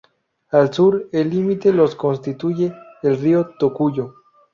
Al Sur el límite los constituye el río Tocuyo.